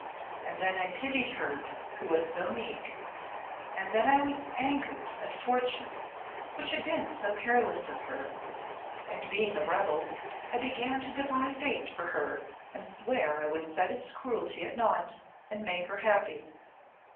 And then I pitied her who was so meek, and then I was angered at Fortune, which had been so careless of her, and being a rebel I began to defy Fate for her and swear I would set its cruelty at naught and make her happy.